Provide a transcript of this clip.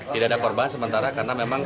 tidak ada korban sementara karena memang